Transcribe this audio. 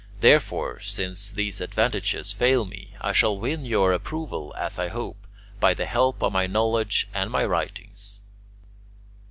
Therefore, since these advantages fail me, I shall win your approval, as I hope, by the help of my knowledge and my writings.